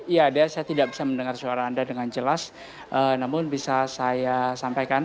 ya dea saya tidak bisa mendengar suara anda dengan jelas namun bisa saya sampaikan